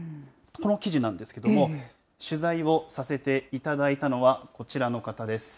この記事なんですけれども、取材をさせていただいたのは、こちらの方です。